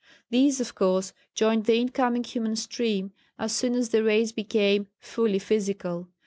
These, of course, joined the in coming human stream as soon as the race became fully physical.